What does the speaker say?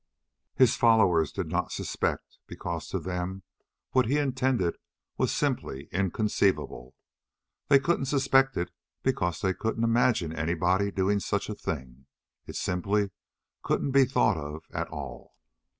His followers did not suspect because to them what he intended was simply inconceivable. They couldn't suspect it because they couldn't imagine anybody doing such a thing. It simply couldn't be thought of at all.